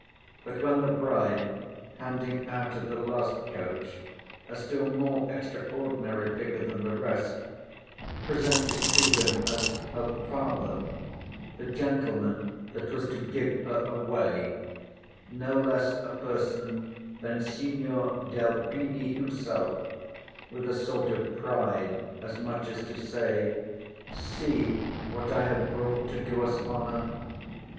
But when the bride—handing out of the last coach a still more extraordinary figure than the rest—presented to him as her father—the gentleman that was to give her away—no less a person than Signor Delpini himself—with a sort of pride, as much as to say, See what I have brought to do us honour!